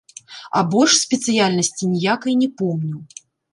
А больш спецыяльнасці ніякай не помню.